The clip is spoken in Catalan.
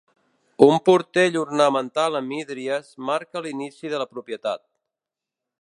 Un portell ornamentat amb hídries marca l’inici de la propietat.